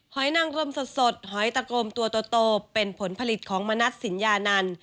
นางกลมสดหอยตะโกมตัวโตเป็นผลผลิตของมณัฐศิญญานันต์